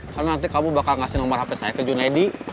karena nanti kamu bakal ngasih nomor hp saya ke junedi